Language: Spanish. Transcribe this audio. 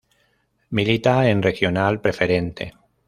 Milita en Regional Preferente.